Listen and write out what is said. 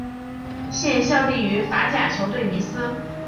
现效力于法甲球队尼斯。